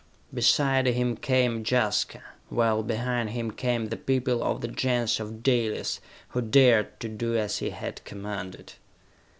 Beside him came Jaska, while behind him came the people of the Gens of Dalis who dared to do as he had commanded.